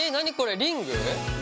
リング。